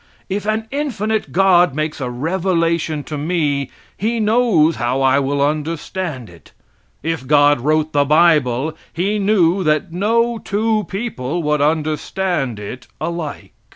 If an infinite God makes a revelation to me He knows how I will understand it. If God wrote the bible he knew that no two people would understand it alike.